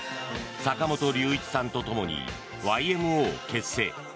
坂本龍一さんとともにＹＭＯを結成。